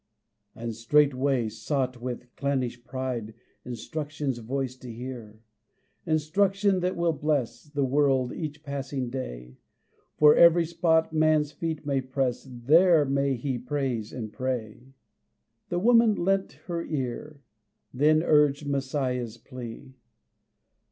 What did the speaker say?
And straightway sought with clannish pride Instruction's voice to hear; Instruction that will bless The world each passing day, For every spot man's feet may press, There may he praise and pray. The woman lent her ear, Then urged Messiah's plea.